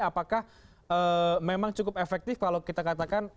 apakah memang cukup efektif kalau kita katakan